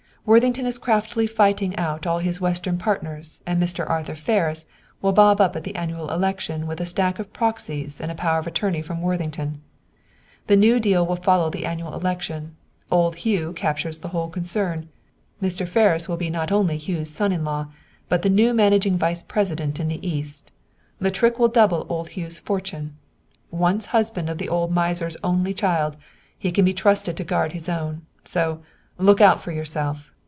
"Worthington is craftily frightening out all his Western partners and Mr. Arthur Ferris will bob up at the annual election with a stack of proxies and a power of attorney from Worthington. "The new deal will follow the annual election, old Hugh captures the whole concern, Mr. Ferris will be not only Hugh's son in law but the new managing vice president in the East. The trick will double old Hugh's fortune. Once husband of the old miser's only child, he can be trusted to guard his own. So, look out for yourself!"